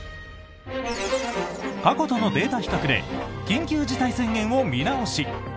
過去とのデータ比較で緊急事態宣言を見直し！